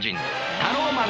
タローマン！